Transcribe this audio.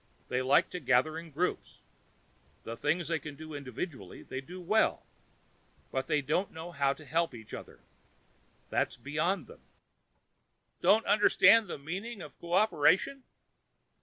They like to gather in groups. The things they can do individually, they do well. But they don't know how to help each other. That's beyond them." "Don't understand the meaning of cooperation?"